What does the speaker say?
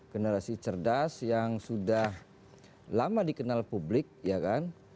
generasi cerdas yang sudah lama dikenal publik ya kan